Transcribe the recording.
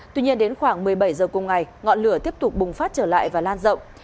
tuy nhiên đến khoảng một mươi bảy h cùng ngày ngọn lửa tiếp tục bùng phát trở lại và lan rộng